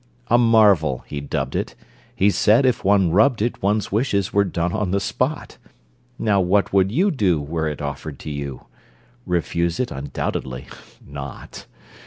A marvel he dubbed it. He said if one rubbed it One's wishes were done on the spot. Now what would you do Were it offered to you? Refuse it undoubtedly (not)!